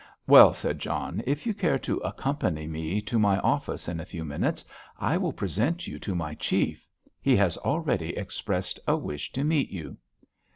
"Well," said John, "if you care to accompany me to my office in a few minutes, I will present you to my Chief. He has already expressed a wish to meet you."